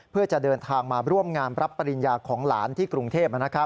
เพื่อจะเดินทางมาร่วมงานรับปริญญาของหลานที่กรุงเทพ